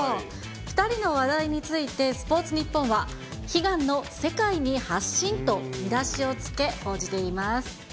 ２人の話題についてスポーツニッポンは、悲願の世界に発信と見出しをつけ、報じています。